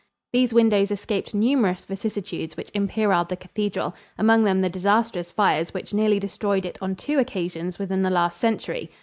These windows escaped numerous vicissitudes which imperiled the cathedral, among them the disastrous fires which nearly destroyed it on two occasions within the last century.